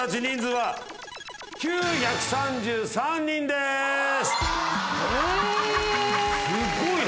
すごいな。